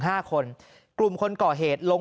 มันมีปืน